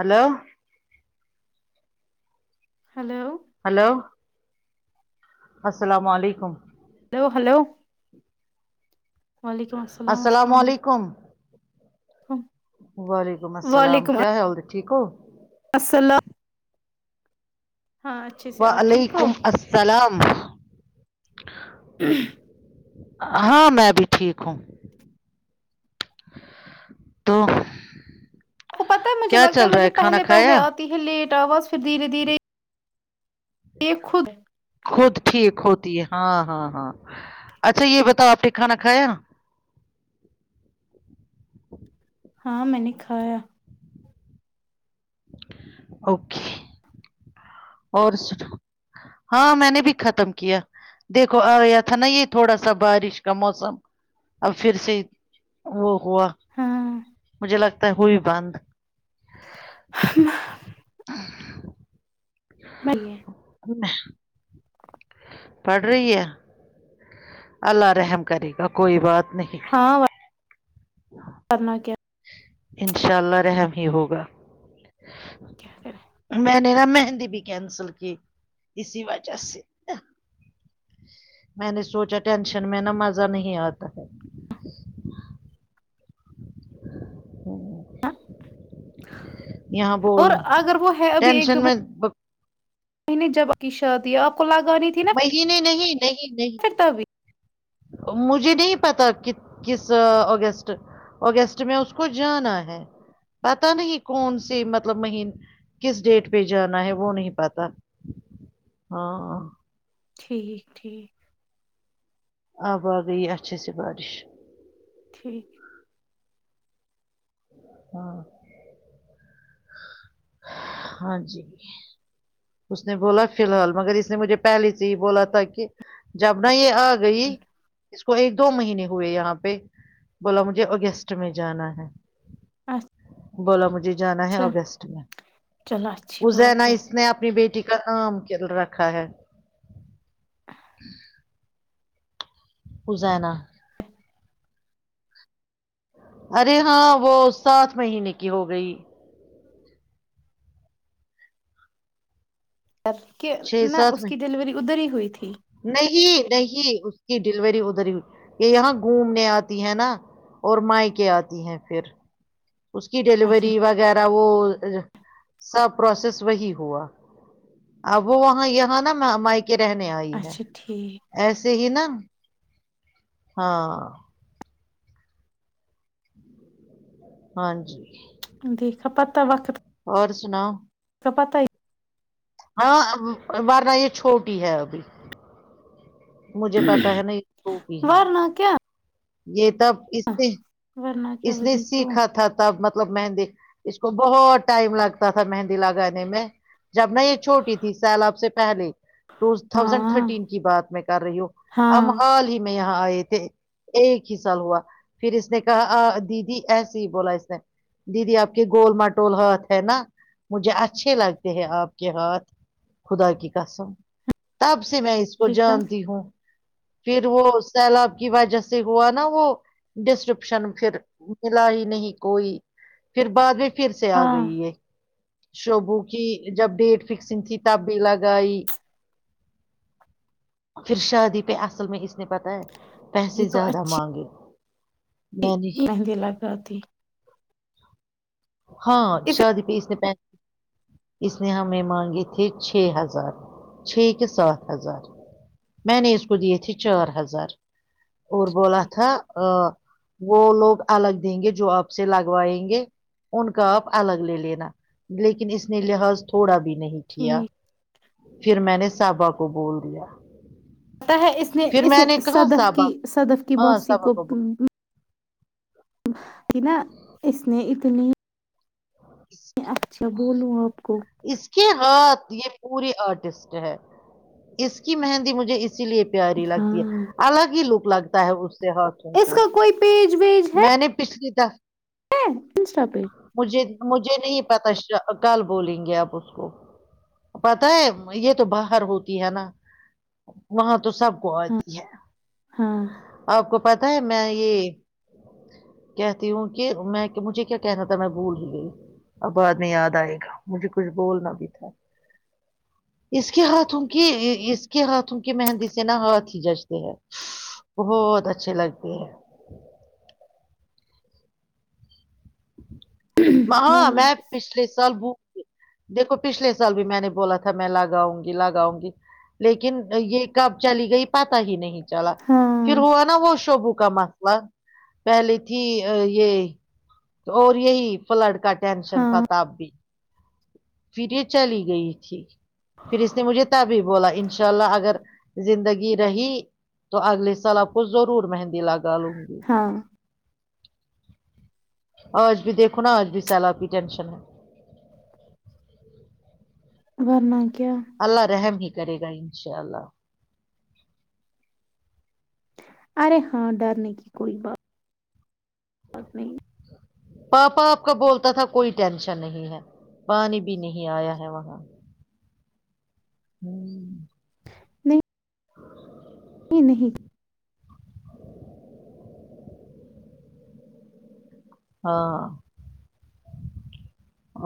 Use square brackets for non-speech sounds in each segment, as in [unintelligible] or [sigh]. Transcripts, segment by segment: hello hello hello السلام علیکم hello hello [unintelligible] [unintelligible] السلام علیکم وعلیکم السلام کیا حیاال ٹھیک ہو اصل [inaudible] اچھے سے آپ ٹھیک ہو وعلیکم آپ السلام ہوں [unintelligible] [inaudible] ہاں میں بھی ٹھیک ہوں تو کیا چل رہا ہے کھانا کھایا ہی لیٹ آ بس پھر دھیرے دھیرے [unintelligible] [inaudible] دیکھود [unintelligible] [unintelligible] خود ٹھیک ہوتی ہے ہاں ہاں ہاں اچھا یہ بتاؤ آپ نے کھانا کھایا ہاں میں نے کھایا اوکے اور سناو ہاں میں نے بھی ختم کیا دیکھو آیا تھا نا یہ تھوڑا سا بارش کا موسم اب پھر سے وہ ہوا ہاں مجھے لگتا ہے ہوئی بند ہ [inaudible] [inaudible] [inaudible] ہ [inaudible] [unintelligible] بھ ہے [inaudible] ال [unintelligible] [unintelligible] پڑھ رہی ہے اللہ رحم کرے گا کوئی بات نہیں ہاں کرنا کیا ان شاء اللہ رحم ہی ہوگا کیا کریں میں نے نا مہندی بھی کینسل کہ اسی وجہ سے میں نے سوچا ٹینشن میں نا مزہ نہیں آتا ہے یہاں بول اور اگر وہ ٹینشن میں میں نے جب آ کی شادی ہے آپ کو لگاے وہ نہیں نہیں نہیں نہیں [unintelligible] [unintelligible] مجھے نہیں پتا ک کس اگسٹ اگسٹ میں اس کو جانا ہے پتا نہیں کون سی مطلب مہین کس ڈیٹ پہ جانا ہے وہ نہیں پتا ہاں ٹھیک ٹھیک اب آ گیی اچھے سے بارش ٹھیک ہے [unintelligible] ہاں ہاں جی اس نے بولا فی الحال مگر اس نے مجھے پہلے سے ہی بولا تھا کہ جب نا یہ گئی اس کو ایک دو مہینے ہوئے یہاں پہ بولا مجھے اوگیسٹ میں جانا ہے اچھا [inaudible] بولا مجھے جانا ہے آگسٹ میں چلو اچ [inaudible] عزینہ اس نے اپنی بیٹی کا نام کل رکھا ہے ازینہ ہ [inaudible] ارے ہاں وہ سات مہینے کی ہو گئی کہ چھ نہ سات اس میں کی ڈلیوری ادھر ہی ہوئی تھی نہیں نہیں اس کی ڈیلیوری ادھر ہی ہویی یہ یہاں گھومنے آتی ہے نا اور مائکے آتی ہیں پھر اس کی اچھا ڈیلیوری وغیرہ وہ سب پروسیس وہی ہوا اب وہ وہاں یہاں نا مائکے رہنے آئی ہے اچھا ٹھیک ایسے ہی نا ہاں ہاں جی دیکھا پتا وقت اور سناؤ ک پت [inaudible] ہاں ورنہ یہ چھوٹی ہے ابھی مجھے پتا ہے نہ وہ بھی ہے ورنہ کیا یہ تب اس نے ورنہ کیا اس نے وہی تو سیکھا تھا تب مطلب مہندی اس کو بہت ٹائم لگتا تھا مہندی لگانے میں جب نہ یہ چھوٹی تھی سیلاب سے پہلے ٹو تھاؤزینڈ ہاں تھرٹین کی بات میں کر رہی ہوں ہاں ہم حال ہی میں یہاں آئے تھے ایک ہی سال ہوا پھر اس نے کہا آ دیدی ایسی ہی بولا اسنے دیدی آپ کے گول مٹول ہاتھ ہے نا مجھے اچھے لگتے ہیں آپ کے ہاتھ خدا کی قسم تب سے میں اس کو دیکھا جانتی ہوں پھر وہ سیلاب کی وجہ سے ہوا نا وہ ڈسکرپشن پھر ملا ہی نہیں کوئی پھر بعد میں پھر سے آ ہاں گئی ہے شوبو کی جب ڈیٹ فکسنگ تھی تب بھی لگ آئی پھر شادی پہ اصل میں اس نے پتاہ ہے یہ پیسے تو زیادہ اچھی مانگے باری مہندی لگاتی [unintelligible] ہاں شادی پہ اس پیسے ہ اس نے ہمیں مانگے تھے چھ ہزار چھ کے سات ہزار میں نے اس کو دیے تھے چار ہزار اور بولا ٹھیک تھا وہ لوگ الگ دیں گے جو آپ سے لگوائیں گے ان کا آپ الگ لے لینا لیکن اس نے لحاظ تھوڑا بھی نہیں کیا ٹھیک پھر میں نے صاابا کو بول لیا پتا ہے اس نے اس صدف کی صدف کی ہاں موسی صابا کو بول کہ نا اس نے اتنی اس میں اچھا بولوں آپ کو اس ہاتھ یہ پوری آرٹسٹ ہے اس کی مہندی مجھے اسی لیے پیاری لگتی ہے ہاں الگ ہی لک لگتا ہے اس سے ہ اس کا کوئی پیج ویج ہے میں نے پچھلی تھا انسٹا پہ مجھے مجھے نہیں پتا کل بولیں گے آپ اس کو پتا ہے یہ تو باہر ہوتی ہے نا وہاں تو سب کو آتی ہے ہاں آپ کو پتا ہے میں یہ کہتی ہوں کہ میں مجھے کیا کہنا تھا میں گول ہی گئی اب بعد میں یاد آئے گا مجھے کچھ بولنا بھی تھا ج [inaudible] اس کے ہاتھوں کی اس کے ہاتھوں کی مہندی سے نا ہاتھ ہی ججتے ہے بہت اچھھی لگتی ہے ماں ورنہ میں پچھلے سال ب دیکھو پچھلے سال بھی میں نے بولا تھا میں لاگاؤں گی لگاؤں گی لیکن یہ کب چلی گئی پت ہی نہیں چلا ہاں پھر ہوا نا وہ شبو کا مسئلہ پہلے تھی یہ اور یہی فلڈ کا ٹینشن ہاں تھا تب بھی پھر یہ چلی گئی تھی پھر اس نے مجھے تبھی بولا انشاء اللہ اگر زندگی رہی تو اگلے سال آپ کو ضرور مہندی لگا لوں گی ہاں آج بھی دیکھو نا آج بھی سیلاب کی ٹینشن ہے ورنہ کیا اللہ رحم ہی کرے گا انشاء اللہ ارے ہاں ڈرنے کی کوئی بات نہیں پاپا آپ کا بولتا تھا کوئی ٹینشن نہیں ہے پانی بھی نہیں آیا ہے وہاں ہ نہیں یہ نہیں ہاں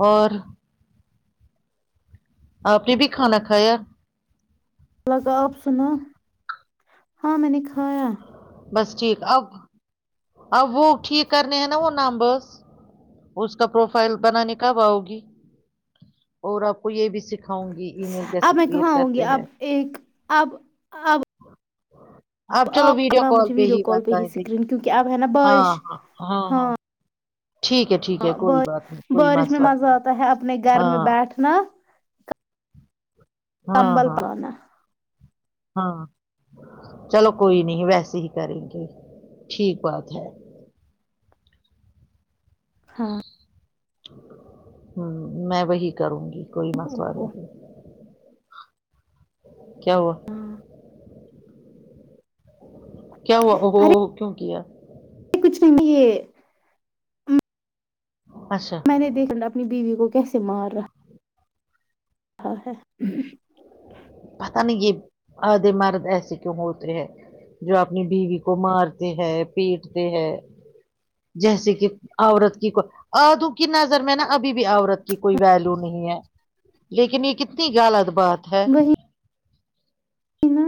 اور آپ نے بھی کھانا کھایا الگا آپ سناو ہاں میں نے کھایا بس ٹھیک اب اب وہ ٹھیک کرنے ہیں نا وہ نمبرس اس کا پروفائل بنانے کب آ ہوگی اور آپ کو یہ بھی سیکھ سکھاؤں گی ای میل اب کیسے میں کریئٹ کہاں ہوں گی کرتے اب ہیں ایک اب اب چلو آپ کل ویڈیو مجھ کال ویڈیو کال پہ بتا ہی دیں سکرین کیونکہ اب ہے نا بارش ہاں ٹھیک ہے ٹھیک ہے کوئی بات نہیں کوئی بارش میں مسلہ مزہ نہیں آتا ہے اپنے گھر میں ہاں بیٹھنا [unintelligible] کمبل ہاں پانا ہاں چلو کوئی نہیں ویسے ہی کریں گے ٹھیک بات ہے ہاں ہ میں وہی کروں گی کوئی مسلہ نہیں کیا ہوا ہاں کیا ہوا ا ہو ارے ہو کیوں کیا ہے کچھ نہیں ہے اچھا میں نے دیکھاا اپنی بیوی کو کیسے مار رہا ہاں ہاں پت نہیں یہ آدے مرد ایسے کیوں ہوتے ہیں جو اپنی بیوی کو مارتے ہے پیٹتے ہے جیسے کہ عورت کی کو آدھو کی نظر میں نا ابھی بھی عورت کی کوئی ویلو نہیں ہے لیکن یہ کتنی غالط بات ہے ہے نا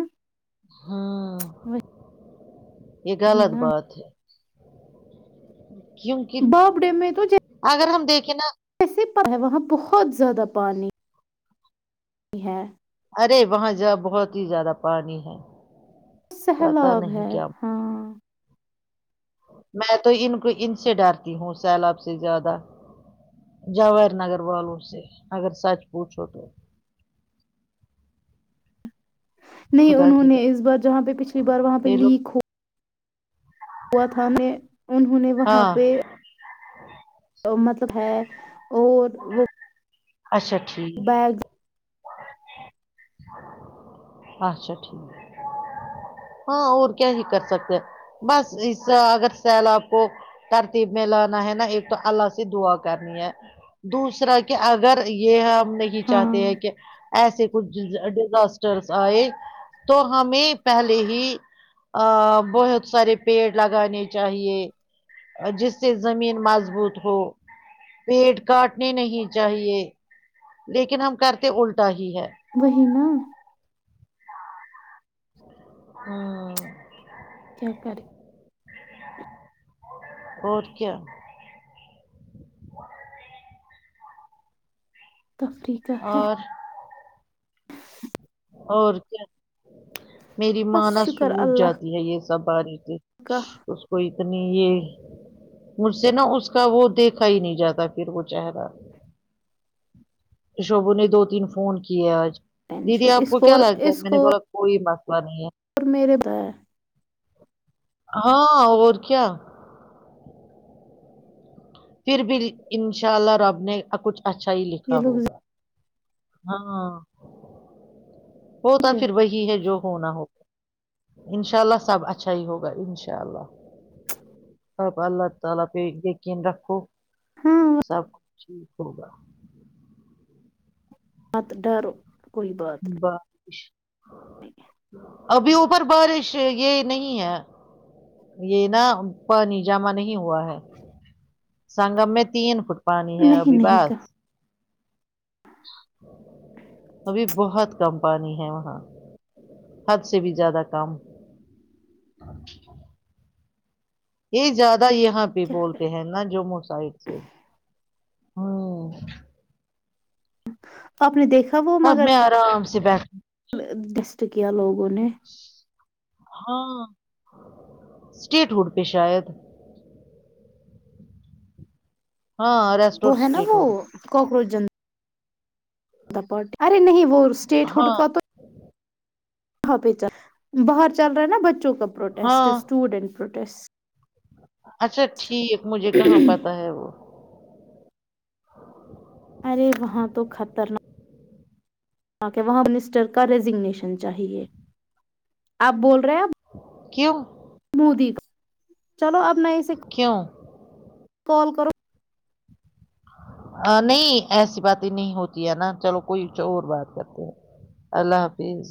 ہاں یہ وہی غلط نا بات ہے کیونکہ بابڑے اگر ہم دیکھیں نا ایسے پر ہے وہاں بہت زیادہ پانی یہ ہے ارے وہاں جاؤ بہت ہی زیادہ پانی ہے پتا سیلاب نہیں ہے کیا ہاں میں تو ان کو ان سے ڈرتی ہوں سیلاب سے زیادہ جوو نگر والو سے اگر سچ پوچھو تو نہیں خدا انہوں کی نے قسم اس بار جہاں پہ پچھلی بار وہاں پہ یہ لوگ لیک ہو ہوا تھا نے انہوں نے وہاں ہاں پہ مطلب ہے اور وہ اچھا ٹھیک بیگ [unintelligible] اچھا ٹھیک ہاں اور کیا ہی کر سکتے ہیں بس اس اگر سیلاب کو ترتیب میں لانا ہے نا ایک تو اللہ سے دعا کرنی ہے دوسرا کہ اب اگر یہ ہم نہیں ہاں چاہتے ہیں کہ ایسے کچھ ڈیزاسٹرس آئے تو ہمیں پہلے ہی ا بہت سارے پیڑ لگانے چاہیے جس سے زمین مضبوط ہو پیڑ کاٹنے نہیں چاہیے لیکن ہم کرتے الٹا ہی ہے وہی نا ہوں کیا کرے اور کیا تفریق اور اور کیا میری بس مانا شکر سوکھ اللہ جاتی ہے یہ سب باری کا اس کو اتنی یہ مجھ سے نا اس کا وہ دیکھا ہی نہیں جاتا پھر وہ چہرہ شبو نے دو تین فون کیے آج دیدی ٹینشن آپ اس کو کیا لگتا ہے اس میں نے کو بولا کوئی مسئلہ نہیں ہے اور میرے بعد ہاں اور کیا پھر بھی ان شاء اللہ رب نے کچھ اچھا ہی لکھا یہ لوگ ہوگا ہاں ہوتا کیا پھر وہی ہے جو ہونا ہوتا انشاء اللہ سب اچھا ہی ہوگا ان شاء اللہ اب اللہ تعالی پہ یقین رکھو ہاں سب کچ ٹھیک ہوگا مت ڈرو کوئی بات نہیں بارش [unintelligible] ابھی اوپر بارش یہ نہیں ہے یہ نا پانی جامع نہیں ہوا ہے سنگم میں تین فٹ پانی ہے نہیں ابھی نہیں بس کہا ابھی بہت کم پانی ہے وہاں حد سے بھی زیادہ کم [unintelligible] یہ زیادہ یہاں پہ کیا بولتے کرے ہیں نا جموں سائڈ ہاں تو آپ نے دیکھا وہ اب مگر میں آرام سے بیٹھ ڈسٹ کیا لوگوں نے ہاں اسٹیٹ ہوڈ پہ شاید ہاں ر وہ ہے نا وہ کوکروچ ج پارٹی ارے نہیں وہ اسٹیٹ ہوڈ ہاں کا تو یہاں پہ باہر چل رہا ہے نا بچوں کا پروٹیسٹ ہاں اسٹوڈینٹ پروٹیسٹ اچھا ٹھیک مجھے کہاں پتا ہے وہ ارے وہاں تو خطرناک وہاں منسٹر کا ریزگنیشن چاہیے آپ بول رہے ہیں آپ کیوں مودی چلو اب میں کیوں کال کرو نہیں ایسی بات ہی نہیں ہوتی ہے نا چلو کوئی اور بات کرتے ہیں اللہ حافظ